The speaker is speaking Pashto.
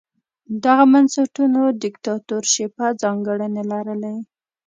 دغو بنسټونو دیکتاتورشیپه ځانګړنې لرلې.